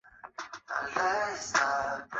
汝阴人。